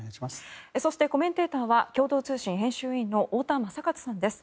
そしてコメンテーターは共同通信編集委員の太田昌克さんです。